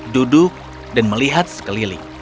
duduk dan melihat sekeliling